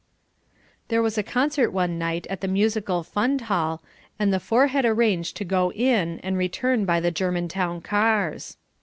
There was a concert one night at the Musical Fund Hall and the four had arranged to go in and return by the Germantown cars.